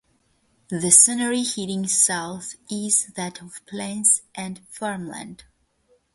The scenery heading south is that of plains and farmland.